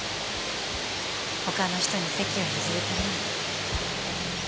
他の人に席を譲るために。